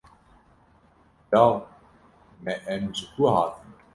Law me em ji ku hatin?